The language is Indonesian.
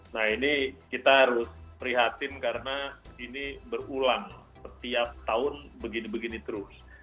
nah ini kita harus prihatin karena ini berulang setiap tahun begini begini terus